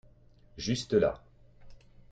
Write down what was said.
Juste là.